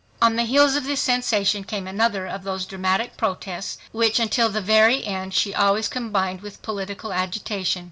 On the heels of this sensation came another of those dramatic protests which until the very end she always combined with political agitation.